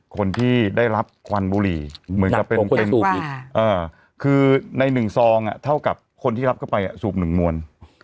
คนที่ได้รับควันบุหรี่เหมือนกับเป็นคือใน๑ซองเท่ากับคนที่รับเข้าไปสูบหนึ่งมวล